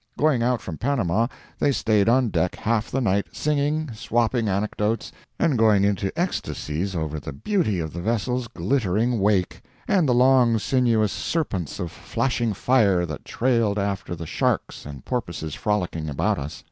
Going out from Panama they stayed on deck half the night, singing, swapping anecdotes, and going into ecstacies over the beauty of the vessel's glittering wake, and the long sinuous serpents of flashing fire that trailed after the sharks and porpoises frolicking about us.